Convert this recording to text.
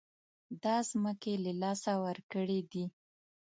دا ځمکې له لاسه ورکړې دي.